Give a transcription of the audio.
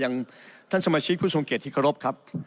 อย่างท่านสมาชิกผู้ทรงเกียจที่เคารพครับ